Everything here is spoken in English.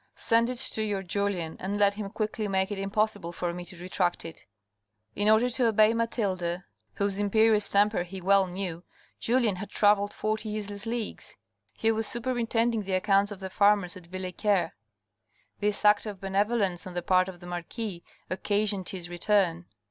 Send it to your Julien, and let him quickly make it impossible for me to retract it." In order to obey Mathilde, whose imperious temper he well knew, Julien had travelled forty useless leagues ; he was superintending the accounts of the farmers at Villequier. This act of benevolence on the part of the marquis oc casioned his return.